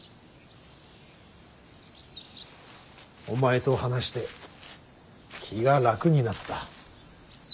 お前と話して気が楽になった。